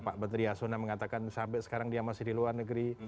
pak batri yasona mengatakan sampai sekarang dia masih di luar negeri